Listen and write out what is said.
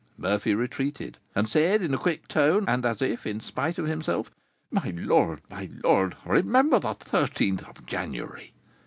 Murphy retreated, and said, in a quick tone, and as if in spite of himself, "My lord, my lord, _remember the thirteenth of January!